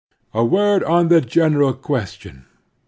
A word on the general question.